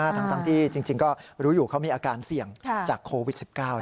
ทั้งที่จริงก็รู้อยู่เขามีอาการเสี่ยงจากโควิด๑๙